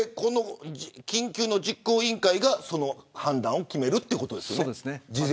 緊急の実行委員会がその判断を決めるということですね。